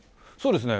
そうですね。